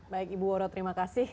baik ibu woro terima kasih